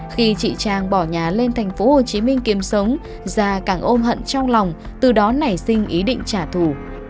khi chị trang bỏ nhà lên thành phố hồ chí minh kiêm sống gia càng ôm hận trong lòng từ đó nảy sinh ý định trả thù